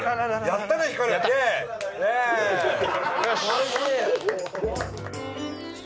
やったね、光！